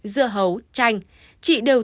dưa hấu chanh chị đều